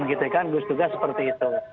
gitu kan gugus tugas seperti itu